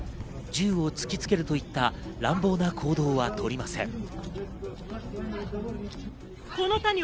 銃を突きつけるといった乱暴な行動はとりません。